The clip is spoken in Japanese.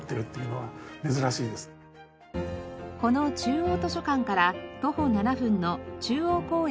この中央図書館から徒歩７分の中央公園